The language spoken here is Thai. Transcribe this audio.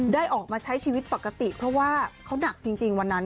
ได้ออกมาใช้ชีวิตปกติเพราะว่าเขาหนักจริงวันนั้น